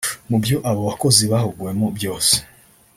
Mu byo abo bakozi bahuguwemo byose